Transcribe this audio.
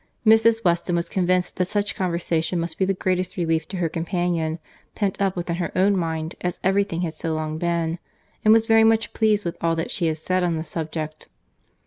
Mrs. Weston was convinced that such conversation must be the greatest relief to her companion, pent up within her own mind as every thing had so long been, and was very much pleased with all that she had said on the subject.